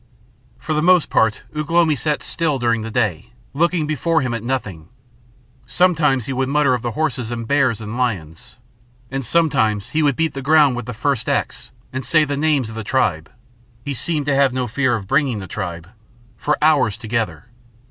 For the most part Ugh lomi sat still during the day, looking before him at nothing, sometimes he would mutter of the horses and bears and lions, and sometimes he would beat the ground with the first axe and say the names of the tribe he seemed to have no fear of bringing the tribe for hours together.